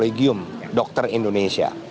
kolegium dokter indonesia